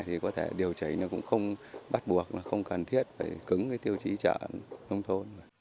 thì có thể điều chỉnh nó cũng không bắt buộc không cần thiết phải cứng cái tiêu chí chợ